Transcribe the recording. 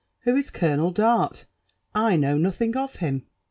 — Whois Colonel Dart? I know nothing of him."